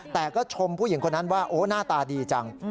แต่ก็ชมผู้หญิงคนนั้นว่าโอ้หน้าตาดีจัง